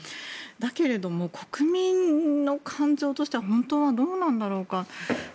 だけれども国民の感情としては本当はどうなんだろうか。